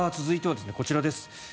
続いてはこちらです。